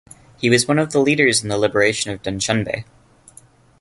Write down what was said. He was one of the leaders of the liberation of Dushanbe.